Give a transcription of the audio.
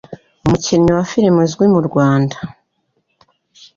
umukinnyi wa firime uzwi mu Rwanda